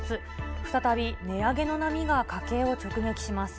再び値上げの波が家計を直撃します。